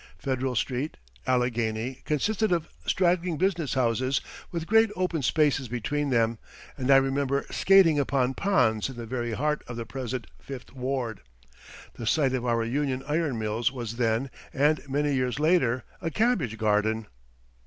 Federal Street, Allegheny, consisted of straggling business houses with great open spaces between them, and I remember skating upon ponds in the very heart of the present Fifth Ward. The site of our Union Iron Mills was then, and many years later, a cabbage garden.